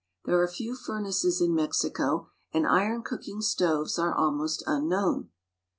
There are few furnaces in Mexico, and iron cooking stoves are almost unknown.